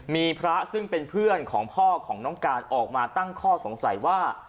มีพระซึ่งเป็นเพื่อนของพ่อของน้องการออกมาตั้งข้อสงสัยว่า